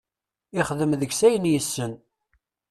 Ixdem deg-s ayen yessen.